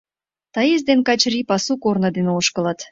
Таис ден Качырий пасу корно дене ошкылыт.